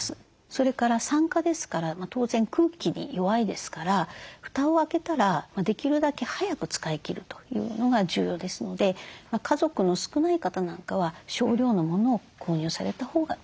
それから酸化ですから当然空気に弱いですからふたを開けたらできるだけ早く使い切るというのが重要ですので家族の少ない方なんかは少量のものを購入されたほうがいいと思います。